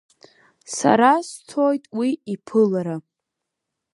Сара сцоит уи иԥылара…